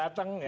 mau datang ya